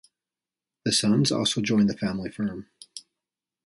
The sons also joined the family firm.